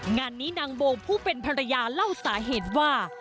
งานนี้นางโบผู้เป็นภรรยาเล่าสาเหตุว่า